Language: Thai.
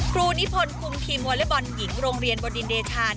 ครูนิพลคุมทีมวอลเร็วบอลหญิงโรงเรียนบดินเดชาน